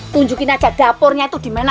tunjukin aja dapurnya itu di mana